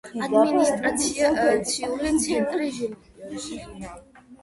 ადმინისტრაციული ცენტრი ჟილინა.